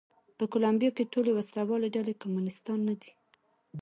په کولمبیا کې ټولې وسله والې ډلې کمونېستان نه دي.